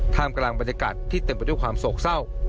ทางกลางบรรยากาศที่เต็มปลอดภาพด้วยความโศกเศร้า